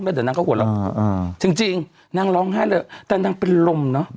แล้วเดี๋ยวนางก็หัวเราอ่าจริงจริงนางร้องไห้เลยแต่นางเป็นลมเนอะ